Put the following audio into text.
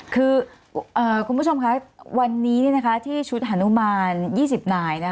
คือคุณผู้ชมคะวันนี้ที่ชุดฮานุมาน๒๐นาย